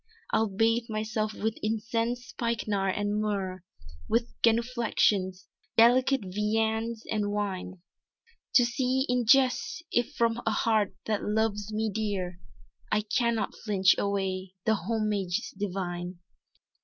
"I'll bathe myself with incense, spikenard and myrrh, With genuflexions, delicate viandes and wine, To see, in jest, if from a heart, that loves me dear, I cannot filch away the hommages divine."